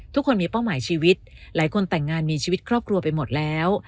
ทุกคนมีเป้าหมายชีวิตหลายคนแต่งงานมีชีวิตครอบครัวไปหมดแล้ว